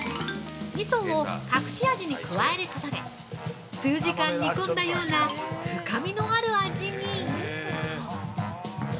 みそを隠し味に加えることで数時間煮込んだような深みのある味に！